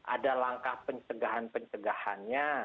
ada langkah pencegahan pencegahannya